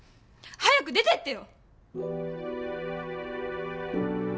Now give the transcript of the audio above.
早く出てってよ！